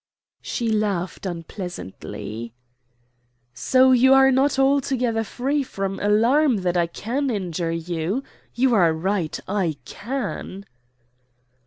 She laughed unpleasantly. "So you are not altogether free from alarm that I can injure you? You are right; I can."